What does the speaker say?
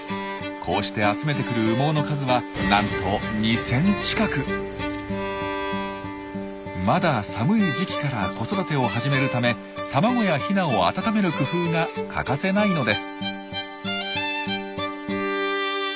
こうして集めてくる羽毛の数はなんとまだ寒い時期から子育てを始めるため卵やヒナを温める工夫が欠かせないのです。